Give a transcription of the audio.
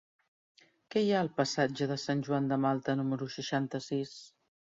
Què hi ha al passatge de Sant Joan de Malta número seixanta-sis?